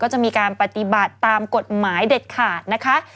จะมีการปฏิบัติตามกฎหมายเด็ดขาดนะคะ